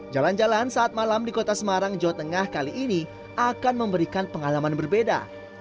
jalan jalan saat malam di kota semarang jawa tengah kali ini akan memberikan pengalaman berbeda